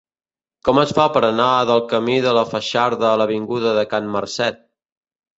Com es fa per anar del camí de la Foixarda a l'avinguda de Can Marcet?